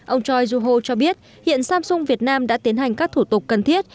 ông choi joo ho cho biết hiện samsung việt nam đã tiến hành các thủ tục cần thiết